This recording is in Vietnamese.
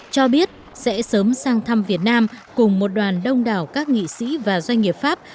cho biết sẽ sớm sang thăm việt nam cùng một đoàn đông đảo các nghị sĩ và doanh nghiệp pháp